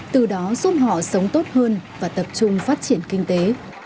từ đó giúp họ sống tốt hơn và tập trung phát triển kinh tế